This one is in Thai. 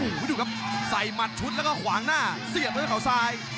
โอ้โหดูครับใส่หมัดชุดแล้วก็ขวางหน้าเสียบด้วยเขาซ้าย